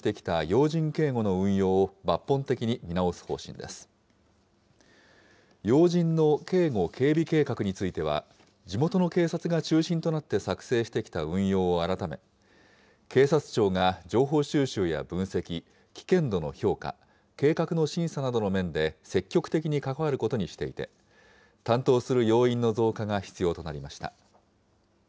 要人の警護・警備計画については、地元の警察が中心となって作成してきた運用を改め、警察庁が情報収集や分析、危険度の評価、計画の審査などの面で積極的に関わることにしていて、担当する要員の増加が必要となりました。